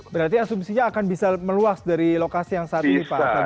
berarti asumsinya akan bisa meluas dari lokasi yang saat ini pak